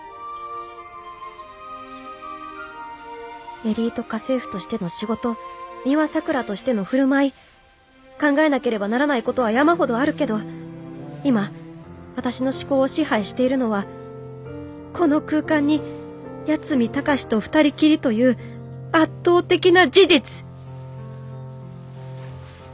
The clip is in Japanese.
エリート家政婦としての仕事美羽さくらとしての振る舞い考えなければならないことは山ほどあるけど今私の思考を支配しているのはこの空間に八海崇と二人きりという圧倒的な事実！